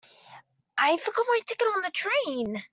I forgot my ticket on the train.